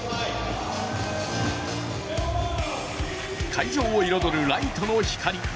会場を彩るライトの光。